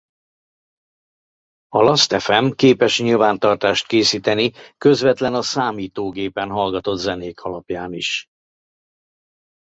A Last.fm képes nyilvántartást készíteni közvetlen a számítógépen hallgatott zenék alapján is.